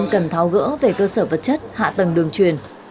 cần tháo gỡ về cơ sở vật chất hạ tầng đường truyền